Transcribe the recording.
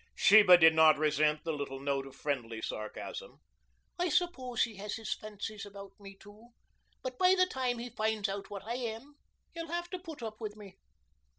Sheba did not resent the little note of friendly sarcasm. "I suppose he has his fancies about me, too, but by the time he finds out what I am he'll have to put up with me."